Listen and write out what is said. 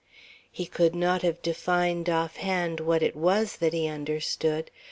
He could not have defined offhand what it was that he understood.